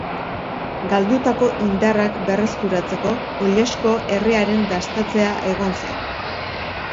Galdutako indarrak berreskuratzeko, oilasko errearen dastatzea egon zen.